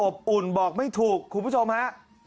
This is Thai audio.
อุ่นบอกไม่ถูกคุณผู้ชมฮะ